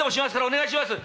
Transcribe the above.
お願いします。